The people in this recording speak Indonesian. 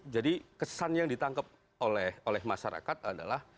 jadi kesan yang ditangkep oleh masyarakat adalah